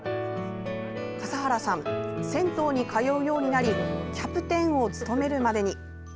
笠原さん、銭湯に通うようになりキャプテンを務めるまでに。